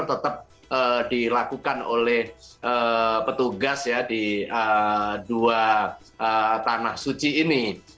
tetap dilakukan oleh petugas ya di dua tanah suci ini